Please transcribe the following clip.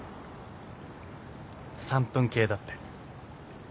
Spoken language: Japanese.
３分計だって。